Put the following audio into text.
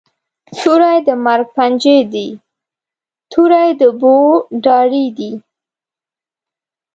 توری د مرګ پنجی دي، توری د بو داړي دي